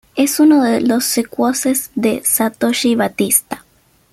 Es uno de los secuaces de Satoshi Batista.